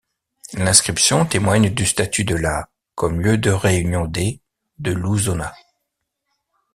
L'inscription témoigne du statut de la comme lieu de réunion des de Lousonna.